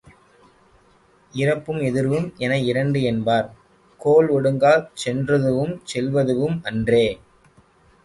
இறப்பும் எதிர்வும் என இரண்டு என்பார், கோல் ஓடுங்கால் சென்றதூஉம் செல்வதூஉம் அன்றே?